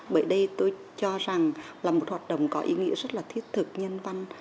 bởi đây tôi cho rằng là một hoạt động có ý nghĩa rất là thiết thực nhân văn